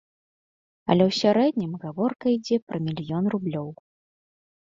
Але ў сярэднім гаворка ідзе пра мільён рублёў.